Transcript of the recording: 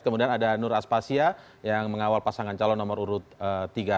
kemudian ada nur aspasya yang mengawal pasangan calon nomor urut tiga